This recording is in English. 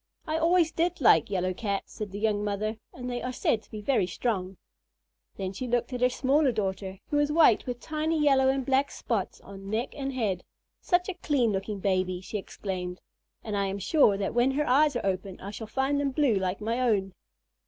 "I always did like yellow Cats," said the young mother, "and they are said to be very strong." Then she looked at her smaller daughter, who was white with tiny yellow and black spots on neck and head. "Such a clean looking baby," she exclaimed, "and I am sure that when her eyes are open I shall find them blue like my own."